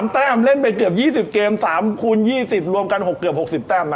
แต้มเล่นไปเกือบ๒๐เกม๓คูณ๒๐รวมกัน๖เกือบ๖๐แต้มนะ